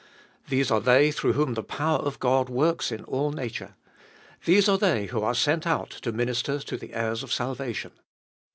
These are they through whom the power of God works in all nature. These are they who are sent out to minister to the heirs of salvation.